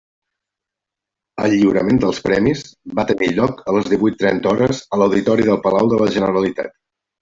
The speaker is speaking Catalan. El lliurament dels premis va tenir lloc a les divuit trenta hores a l'auditori del Palau de la Generalitat.